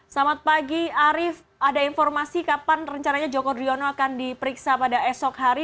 selamat pagi arief ada informasi kapan rencananya joko driono akan diperiksa pada esok hari